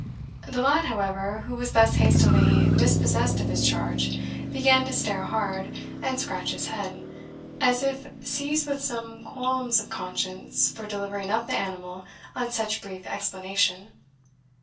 The lad, however, who was thus hastily dispossessed of his charge, began to stare hard, and scratch his head, as if seized with some qualms of conscience for delivering up the animal on such brief explanation.